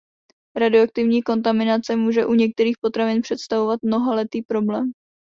Radioaktivní kontaminace může u některých potravin představovat mnohaletý problém.